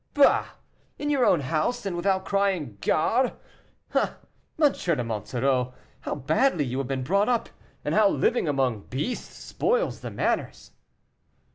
"Bah! in your own house, and without crying, gare. Ah! M. de Monsoreau, how badly you have been brought up, and how living among beasts spoils the manners."